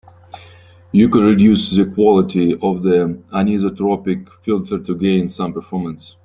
You can reduce the quality of the anisotropic filter to gain some performance.